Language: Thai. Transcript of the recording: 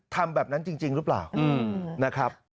ทำแบบนั้นจริงหรือเปล่านะครับ